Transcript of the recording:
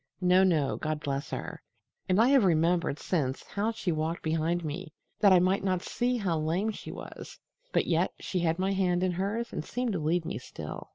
No, no, God bless her! And I have remembered since how she walked behind me, that I might not see how lame she was, but yet she had my hand in hers and seemed to lead me still."